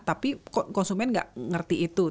tapi konsumen nggak ngerti itu